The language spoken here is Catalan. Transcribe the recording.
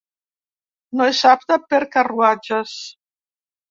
No és apte per carruatges.